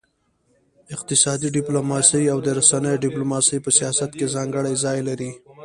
اقتصادي ډيپلوماسي او د رسنيو ډيپلوماسي په سیاست کي ځانګړی ځای لري.